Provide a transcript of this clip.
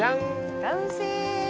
完成！